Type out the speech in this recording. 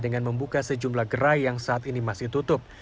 dengan membuka sejumlah gerai yang saat ini masih tutup